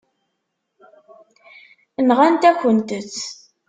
Nɣant-akent-t.